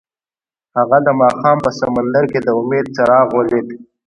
هغه د ماښام په سمندر کې د امید څراغ ولید.